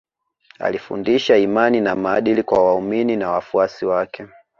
Alifundisha imani na maadili kwa waaumini na wafuasi wake